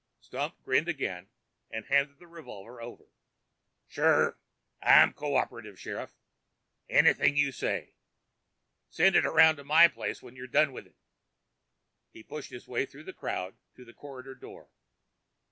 Stump grinned again, handed the revolver over. "Sure. I'm cooperative, Sheriff. Anything you say. Send it around to my place when you're done with it." He pushed his way through the crowd to the corridor door.